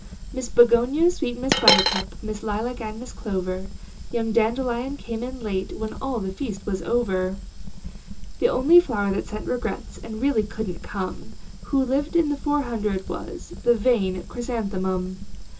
Miss Begonia, sweet Miss Buttercup, Miss Lilac and Miss Clover; Young Dandelion came in late When all the feast was over. 37 The only flower that sent regrets And really couldn t come, Who lived in the four hundred, was The vain Chrysanthemum.